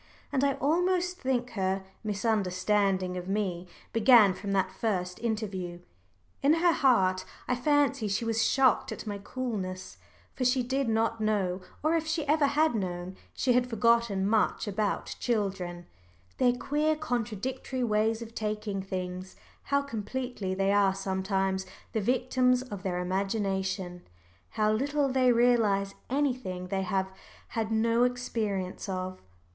And I almost think her misunderstanding of me began from that first interview. In her heart I fancy she was shocked at my coolness, for she did not know, or if she ever had known, she had forgotten, much about children their queer contradictory ways of taking things, how completely they are sometimes the victims of their imagination, how little they realise anything they have had no experience of.